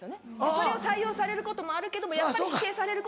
それを採用されることもあるけどやっぱり否定されることもある。